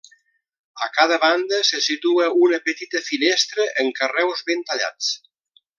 A cada banda se situa una petita finestra en carreus ben tallats.